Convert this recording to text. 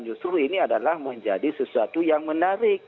justru ini adalah menjadi sesuatu yang menarik